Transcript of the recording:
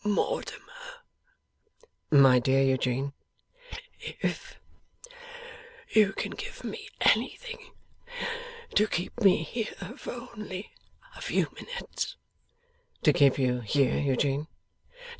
'Mortimer.' 'My dear Eugene.' 'If you can give me anything to keep me here for only a few minutes ' 'To keep you here, Eugene?